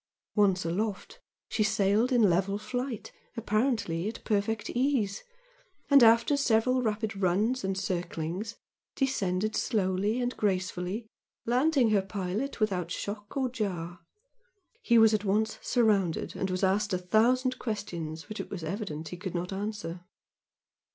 Once aloft she sailed in level flight, apparently at perfect ease and after several rapid "runs," and circlings, descended slowly and gracefully, landing her pilot without shock or jar. He was at once surrounded and was asked a thousand questions which it was evident he could not answer.